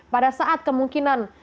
pada saat kemungkinan